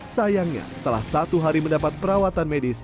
sayangnya setelah satu hari mendapat perawatan medis